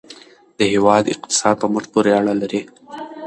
د هېواد اقتصاد په موږ پورې اړه لري.